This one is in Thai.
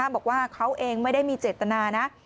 บอกว่าเขาเองไม่ได้มีเจตนานะ